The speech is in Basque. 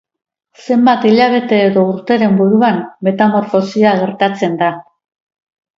Zenbait hilabete edo urteren buruan, metamorfosia gertatzen da.